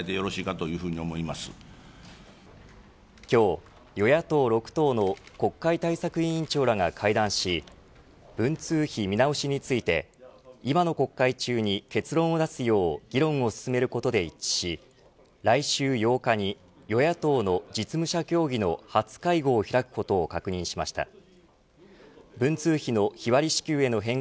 今日、与野党６党の国会対策委員長らが会談し文通費見直しについて今の国会中に結論を出すよう議論を進めることで一致し来週８日に与野党の実務者協議の初会合を開くことを確認しました。